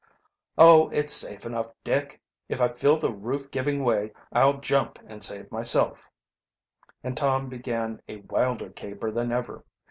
"Oh, it's safe enough, Dick. If I feel the roof giving way I'll jump and save myself," and Tom began a wilder caper than ever.